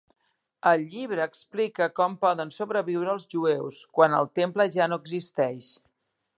El llibre explica com poden sobreviure els jueus, quan el temple ja no existeix.